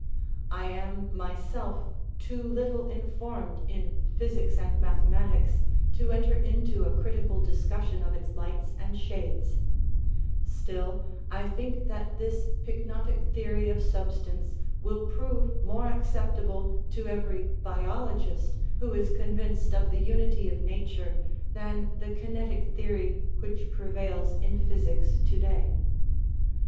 I am myself too little informed in physics and mathematics to enter into a critical dis cussion of its lights and shades ; still, I think that this pyknotic theory of substance will prove more accept able to every biologist who is convinced of the unity of nature than the kinetic theory which prevails in physics to day.